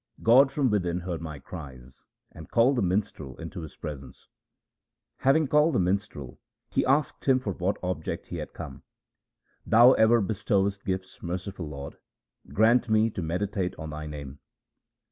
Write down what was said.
God from within heard my cries, and called the minstrel into His presence. Having called the minstrel, He asked him for what object he had come. ' Thou ever bestowest gifts, merciful Lord, grant me to meditate on Thy name.'